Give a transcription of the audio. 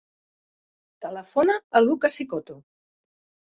Telefona al Luka Sissoko.